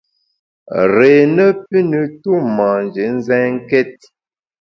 Réé ne pü ne tu manjé nzènkét !